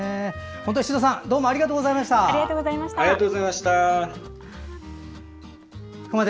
宍戸さん、どうもありがとうございました。